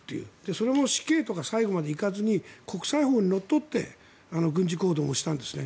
それも死刑とか最後まで行かずに国際法にのっとって軍事行動をしたんですね。